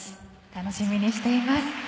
楽しみにしています。